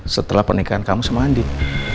setelah pernikahan kamu sama andin